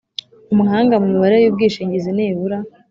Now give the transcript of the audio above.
umuhanga mu mibare y ubwishingizi nibura